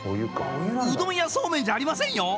うどんやそうめんじゃありませんよ